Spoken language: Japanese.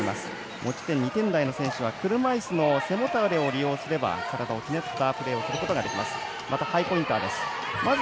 持ち点２点台の選手は車いすの背もたれを利用すれば体をひねったプレーをすることができます。